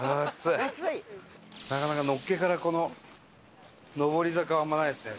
なかなかのっけからこの上り坂はあんまりないですね